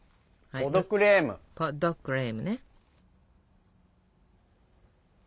ポ・ド・クレームね。